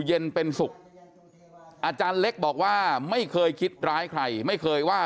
เย็นเป็นศุกร์อาจารย์เล็กบอกว่าไม่เคยคิดร้ายใครไม่เคยว่า